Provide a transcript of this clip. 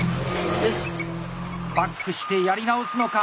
バックしてやり直すのか？